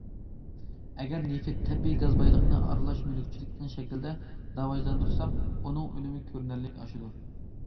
ئەگەر نېفىت، تەبىئىي گاز بايلىقىنى ئارىلاش مۈلۈكچىلىك شەكلىدە راۋاجلاندۇرساق، ئۇنىڭ ئۈنۈمى كۆرۈنەرلىك ئاشىدۇ.